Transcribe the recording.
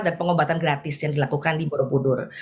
dan pengobatan gratis yang dilakukan di borobudur